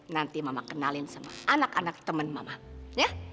nanti mama kenalin sama anak anak teman mama ya